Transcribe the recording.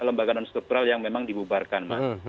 ada sebelas lembaga non struktural yang memang dibubarkan